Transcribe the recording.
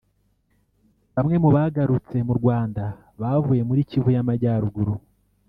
Bamwe mu bagarutse mu Rwanda bavuye muri Kivu y’Amajyaruguru